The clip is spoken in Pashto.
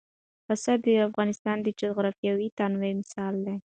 پسه د افغانستان د جغرافیوي تنوع مثال دی.